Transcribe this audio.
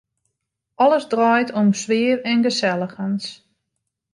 Alles draait om sfear en geselligens.